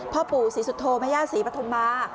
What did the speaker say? พ่อปู่ศรีสุธโฮมพญาสีปธมะ